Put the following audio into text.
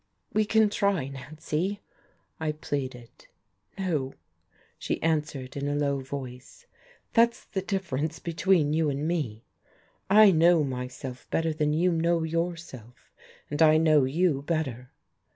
"We can try, Nancy," I pleaded. "No," she answered in a low voice, "that's the difference between you and me. I know myself better than you know yourself, and I know you better."